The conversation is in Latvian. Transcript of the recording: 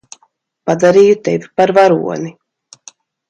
Padarīju tevi par varoni.